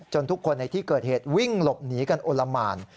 ทุกคนในที่เกิดเหตุวิ่งหลบหนีกันโอละหมาน